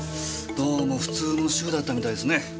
どうも普通の主婦だったみたいですね。